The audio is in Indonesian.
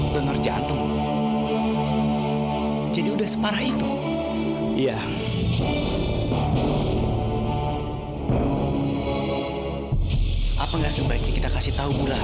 kok file file penting ilang semua